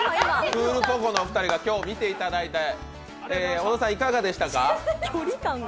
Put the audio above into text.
クールポコのお二人が今日見ていただいて、いかがでしたか。